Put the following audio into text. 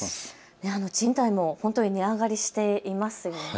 賃貸も本当に値上がりしていますよね。